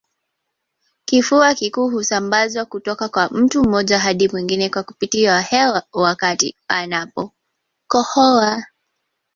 Kifua kikuu husambazwa kutoka kwa mtu mmoja hadi mwingine kwa kupitia hewa wakati anapokohoa